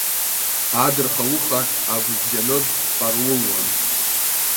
Адырхауха агәыбжьанытә дҟарулуан.